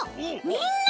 みんな！